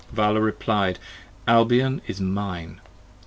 50 Vala reply'd. Albion is mine!